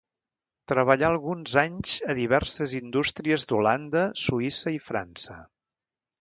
Treballà alguns anys a diverses indústries d'Holanda, Suïssa i França.